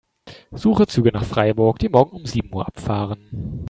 Suche Züge nach Freiburg, die morgen um sieben Uhr abfahren.